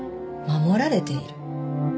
守られている？